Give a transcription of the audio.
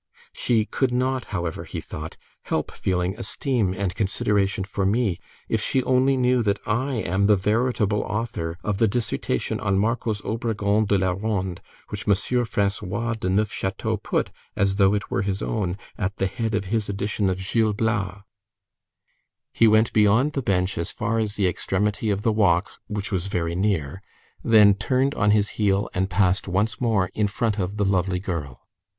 "She could not, however," he thought, "help feeling esteem and consideration for me, if she only knew that I am the veritable author of the dissertation on Marcos Obrégon de la Ronde, which M. François de Neufchâteau put, as though it were his own, at the head of his edition of Gil Blas." He went beyond the bench as far as the extremity of the walk, which was very near, then turned on his heel and passed once more in front of the lovely girl.